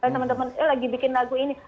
temen temen lagi bikin lagu ini